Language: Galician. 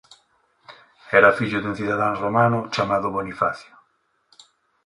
Era fillo dun cidadán romano chamado Bonifacio.